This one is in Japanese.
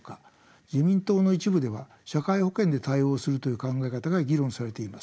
自民党の一部では社会保険で対応するという考え方が議論されています。